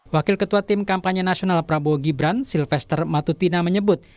wakil ketua tim kampanye nasional prabowo gibran silvester matutina menyebut